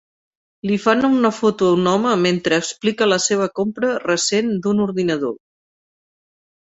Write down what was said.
Li fan una foto a un home mentre explica la seva compra recent d'un ordinador.